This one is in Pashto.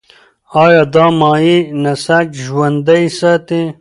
ایا دا مایع نسج ژوندی ساتي؟